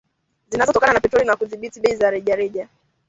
zinazotokana na petroli na kudhibiti bei za rejareja